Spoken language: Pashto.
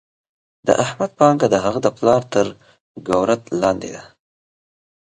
د احمد پانګه د هغه د پلار تر ګورت لاندې ده.